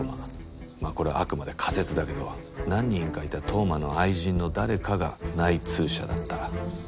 まあこれはあくまで仮説だけど何人かいた当麻の愛人の誰かが内通者だった。